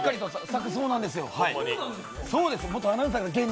そうなんですか？